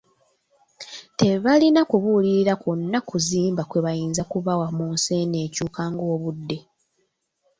Tebalina kubuulirira kwonna kuzimba kwebayinza kubawa mu eno ensi ekyuka ng'obudde!